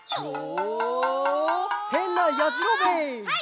へんなやじろべえ」